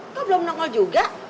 kok belum nongol juga